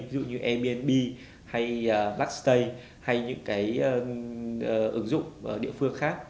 ví dụ như airbnb hay blackstay hay những ứng dụng địa phương khác